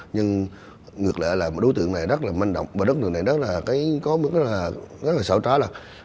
nhưng ngược lại là đối tượng này rất là manh động và đất lượng này rất là có một cái rất là sợ trá là